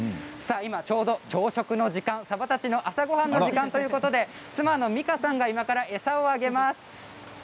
今ちょうど朝食の時間サバたちの朝ごはんの時間ということで妻の美佳さんが今から餌をあげます。